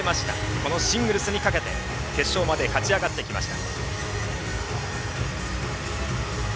このシングルスにかけて決勝まで勝ち上がってきました。